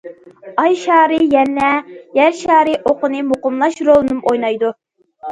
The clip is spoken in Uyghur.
ئاي شارى يەنە يەر شارى ئوقىنى مۇقىملاش رولىنىمۇ ئوينايدۇ.